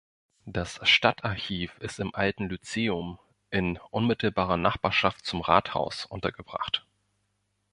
Das Stadtarchiv ist im Alten Lyzeum, in unmittelbarer Nachbarschaft zum Rathaus, untergebracht.